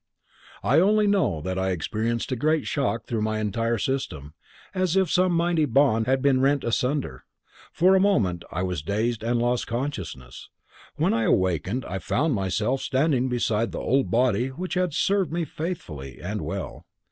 "I only know that I experienced a great shock through my entire system, as if some mighty bond had been rent asunder. For a moment I was dazed and lost consciousness. When I awakened I found myself standing beside the old body which had served me faithfully and well.